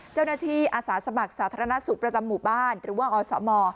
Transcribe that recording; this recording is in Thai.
เจ้าหน้าที่อาสาสมัครสาธารณสุขประจำหมู่บ้านหรือว่าอสม